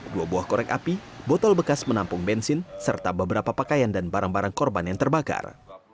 dua buah korek api botol bekas menampung bensin serta beberapa pakaian dan barang barang korban yang terbakar